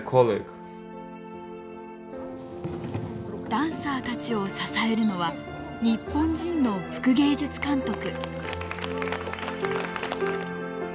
ダンサーたちを支えるのは日本人の副芸術監督。